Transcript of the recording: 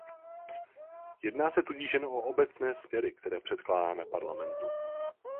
Jedná se tudíž jen o obecné směry, které předkládáme Parlamentu.